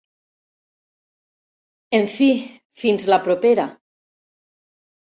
En fi, fins la propera!